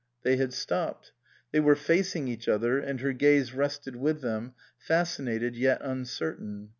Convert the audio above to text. They had stopped ; they were facing each other, and her gaze rested with them, fascinated yet uncertain.